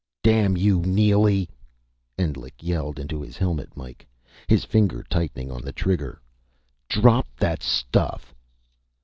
"Damn you, Neely!" Endlich yelled into his helmet mike, his finger tightening on the trigger. "Drop that stuff!"